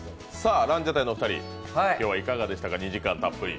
ランジャタイのお二人、今日はいかがでしたか、２時間たっぷり？